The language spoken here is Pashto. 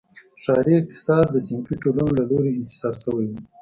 ښاري اقتصاد د صنفي ټولنو له لوري انحصار شوی و.